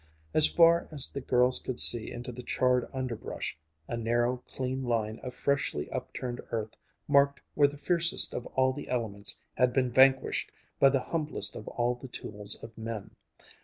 As far as the girls could see into the charred underbrush, a narrow, clean line of freshly upturned earth marked where the fiercest of all the elements had been vanquished by the humblest of all the tools of men.